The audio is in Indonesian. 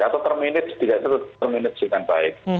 atau terminit tidak terminit dengan baik